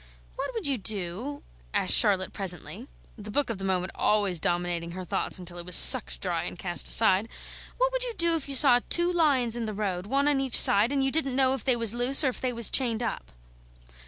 "What would you do?" asked Charlotte presently, the book of the moment always dominating her thoughts until it was sucked dry and cast aside, "what would you do if you saw two lions in the road, one on each side, and you didn't know if they was loose or if they was chained up?"